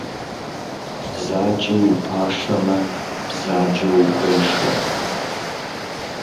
Бзаджэ уи пашэмэ, бзаджэ ухуешэ.